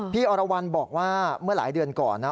พี่อรวัณบอกว่าเมื่อหลายเดือนก่อน